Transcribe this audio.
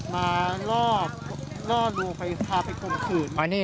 มาลอดลวงขาไปคมสืน